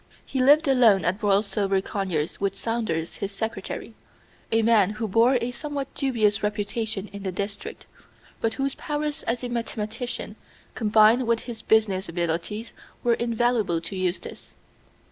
He lived alone at Borlsover Conyers with Saunders his secretary, a man who bore a somewhat dubious reputation in the district, but whose powers as a mathematician, combined with his business abilities, were invaluable to Eustace.